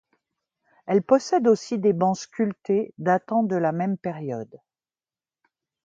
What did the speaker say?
Elle possède aussi des bancs sculptés datant de la même période.